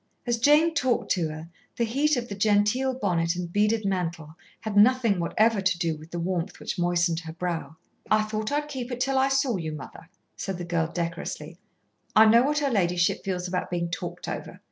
As Jane talked to her, the heat of the genteel bonnet and beaded mantle had nothing whatever to do with the warmth which moistened her brow. "I thought I'd keep it till I saw you, mother," said the girl decorously. "I know what her ladyship feels about being talked over.